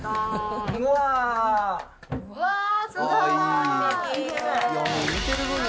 うわー、すごい。